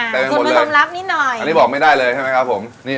แต่ไม่มีคนเลยอันนี้บอกไม่ได้เลยใช่ไหมครับผมคุณผสมรับนิดหน่อย